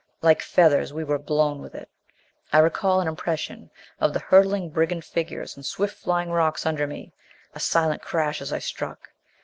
Like feathers, we were blown with it. I recall an impression of the hurtling brigand figures and swift flying rocks under me. A silent crash as I struck.